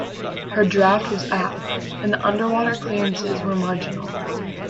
Her draft was aft and the underwater clearances were marginal.